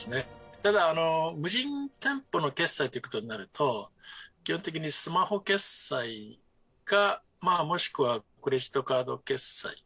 ただ、無人店舗の決済ということになると、基本的にスマホ決済か、もしくはクレジットカード決済。